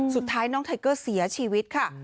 สุดท้ายน้องไทเกอร์เสียชีวิตค่ะ